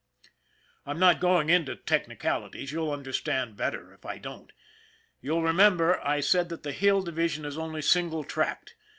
I'm not going into technicalities. You'll understand better if I don't. You'll remember I said that the Hill Division is only single tracked.